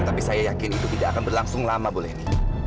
tapi saya yakin itu tidak akan berlangsung lama bu leni